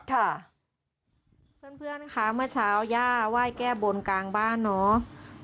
เพื่อนคะเมื่อเช้าย่าไหว้แก้บนกลางบ้านเนาะ